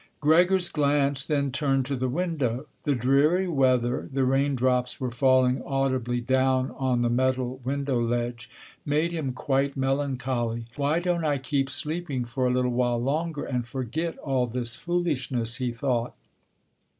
Gregor's glance then turned to the window. The dreary weather—the rain drops were falling audibly down on the metal window ledge—made him quite melancholy. "Why don't I keep sleeping for a little while longer and forget all this foolishness," he thought.